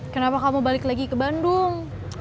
kenapa kamu balik lagi ke bandung